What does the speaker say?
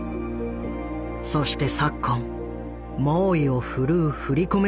そして昨今猛威を振るう振り込め